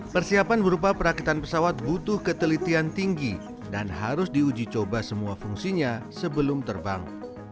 persiapan berupa perakitan pesawat butuh ketelitian tinggi dan harus diuji coba semua fungsinya sebelum terbang